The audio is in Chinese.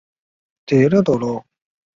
回旅馆没有发现我的帽子